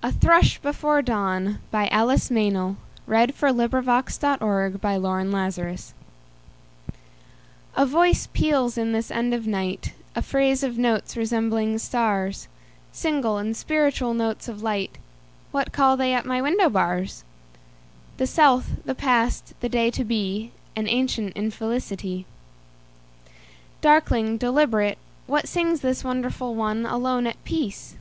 Modern British Poetry. 1920. Alice Meynell1847–1922 A Thrush before Dawn A VOICE peals in this end of nightA phrase of notes resembling stars, Single and spiritual notes of light. What call they at my window bars? The South, the past, the day to be, An ancient infelicity. Darkling, deliberate, what singsThis wonderful one, alone, at peace?